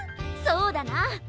そうだな。